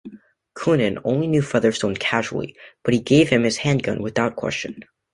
Coonan only knew Featherstone casually, but he gave him his handgun without question.